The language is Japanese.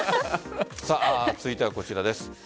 続いてはこちらです。